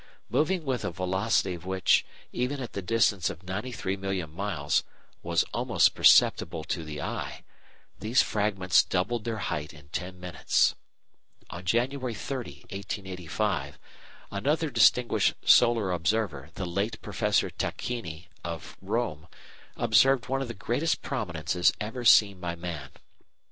Moving with a velocity which, even at the distance of 93,000,000 miles, was almost perceptible to the eye, these fragments doubled their height in ten minutes. On January 30, 1885, another distinguished solar observer, the late Professor Tacchini of Rome, observed one of the greatest prominences ever seen by man.